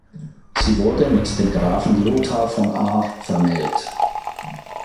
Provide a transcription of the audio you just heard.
Sie wurde mit dem Grafen Lothar von Ahr vermählt.